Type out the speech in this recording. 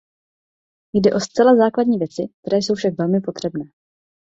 Jde o zcela základní věci, které jsou však velmi potřebné.